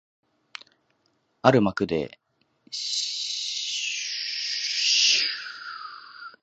ある幕で姉娘が妹娘を慰めながら、「私はあなたを高く評価します」と言った